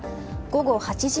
午後８時